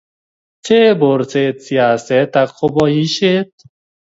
pchee borset siaset ago boishet